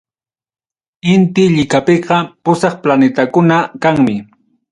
Inti llikapiqa pusaq planitakuna kanmi.